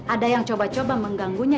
ada yang coba coba mengganggunya